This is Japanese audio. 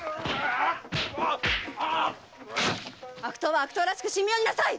悪党は悪党らしく神妙になさい！